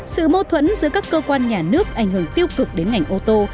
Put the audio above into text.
sự mâu thuẫn giữa các cơ quan nhà nước ảnh hưởng tiêu cực đến ngành ô tô